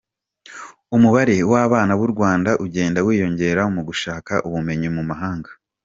Umubare w’abana b’u Rwanda ugenda wiyongera mu gushaka ubumenyi mu mahanga.